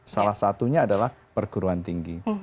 salah satunya adalah perguruan tinggi